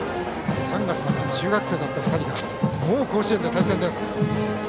３月までは中学生だった２人がもう甲子園で対戦です。